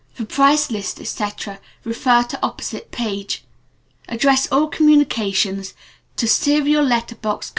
For price list, etc., refer to opposite page. Address all communications to Serial Letter Co.